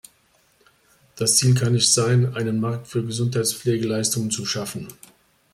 Das Ziel kann nicht sein, einen Markt für Gesundheitspflegeleistungen zu schaffen.